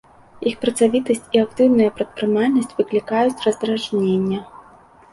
Іх працавітасць і актыўная прадпрымальнасць выклікаюць раздражненне.